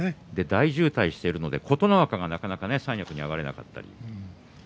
大渋滞しているので琴ノ若がなかなか三役に上がれなかったり。